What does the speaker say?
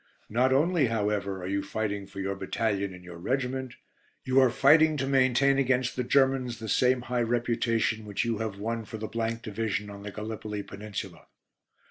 Not only, however, are you fighting for your battalion and your regiment, you are fighting to maintain against the Germans the same high reputation which you have won for the Division on the Gallipoli Peninsula.